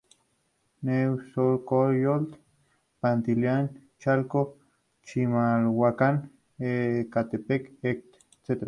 Nezahualcoyotl, Pantitlán, Chalco, Chimalhuacán, Ecatepec, etc.